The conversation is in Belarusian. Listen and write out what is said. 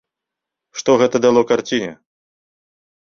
Што гэта дало карціне?